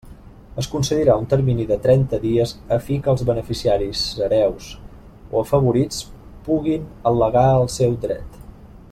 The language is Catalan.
Es concedirà un termini de trenta dies a fi que els beneficiaris, hereus o afavorits puguin al·legar el seu dret.